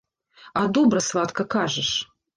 А добра, сватка, кажаш.